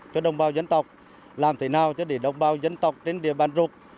cho đồng bào dân tộc làm thế nào cho để đồng bào dân tộc trên địa bàn rục